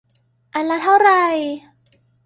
อันละเท่าไหร่